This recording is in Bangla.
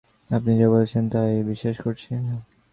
আপনি যা বলছেন তা-ই বিশ্বাস করছি।